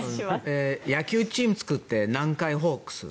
野球チームを作ってなんかいホークス。